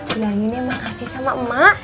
bilanginnya makasih sama emak